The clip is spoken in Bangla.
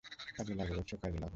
কাজে লাগো, বৎস, কাজে লাগো।